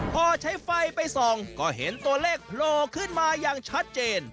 พอใช้ไฟไปส่องก็เห็นตัวเลขโผล่ขึ้นมาอย่างชัดเจน